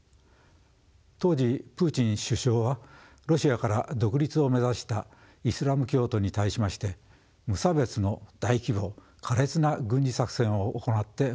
当時プーチン首相はロシアから独立を目指したイスラム教徒に対しまして無差別の大規模苛烈な軍事作戦を行ってこれを鎮圧しました。